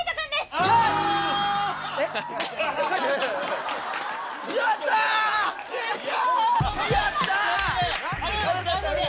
ありがとうございます！